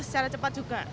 secara cepat juga